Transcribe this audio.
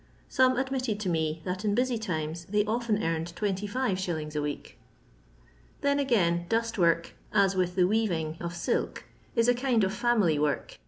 Some admitted to me, that in busy times they often earned 25s. a week. Then, agab, dustwork, as with the weaving of silk, ia a kind oT £ynily work.